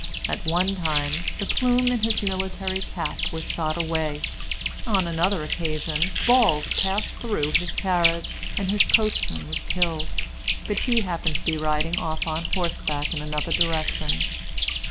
At one time, the plume in his military cap was shot away. On another occasion, balls passed through his carriage, and his coachman was killed; but he happened to be riding off on horseback in another direction.